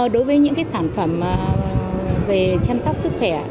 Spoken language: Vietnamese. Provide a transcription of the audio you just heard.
đối với những cái sản phẩm về chăm sóc sức khỏe cho con người